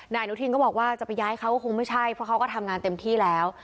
อนุทินก็บอกว่าจะไปย้ายเขาก็คงไม่ใช่เพราะเขาก็ทำงานเต็มที่แล้ว